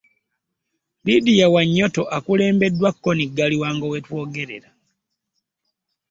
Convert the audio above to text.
Lydia wanyoto akulembeddwa Konnie Galiwango wetwogerera.